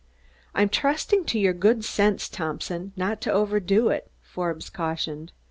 "I'm trusting to your good sense, Thompson, not to overdo it," Forbes cautioned.